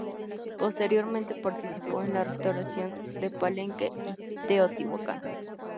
Posteriormente participó en la restauración de Palenque y Teotihuacan.